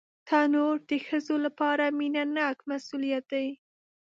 تنور د ښځو لپاره مینهناک مسؤلیت دی